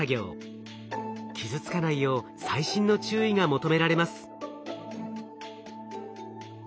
傷つかないよう細心の注意が求められます。